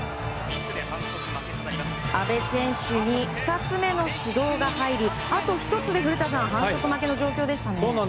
阿部選手に２つ目の指導が入りあと１つで、古田さん反則負けの状況でしたね。